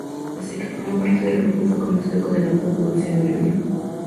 Desde que formó parte del grupo, fue conocido con el apodo "Luciano Jr.